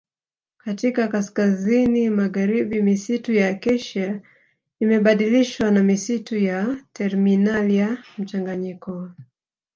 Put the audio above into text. Katika kaskazini magharibi misitu ya Acacia imebadilishwa na misitu ya Terminalia mchanganyiko